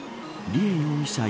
梨恵容疑者